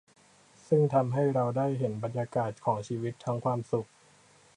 ซึ่งทำให้เราได้เห็นบรรยากาศของชีวิตทั้งความสุข